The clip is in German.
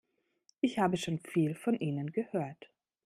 Ich habe schon viel von Ihnen gehört.